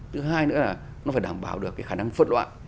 thứ hai nữa là nó phải đảm bảo được cái khả năng phân loại